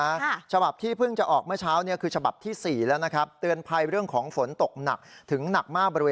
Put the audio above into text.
ใช่ฉบับที่เพิ่งจะออกเมื่อเช้าคือฉบับที่สี่แล้วนะครับ